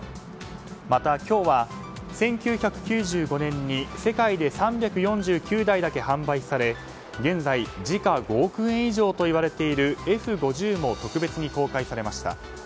また今日は、１９９５年に世界で３４９台だけ販売され現在、時価５億円以上といわれているＦ５０も特別に公開されました。